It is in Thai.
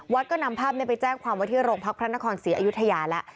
ก็นำภาพนี้ไปแจ้งความว่าที่โรงพักพระนครศรีอยุธยาแล้ว